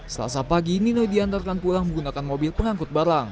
selasa pagi nino diantarkan pulang menggunakan mobil pengangkut barang